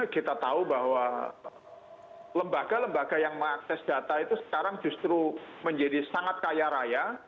kita tahu bahwa lembaga lembaga yang mengakses data itu sekarang justru menjadi sangat kaya raya